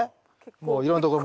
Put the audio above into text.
もういろんなとこもう。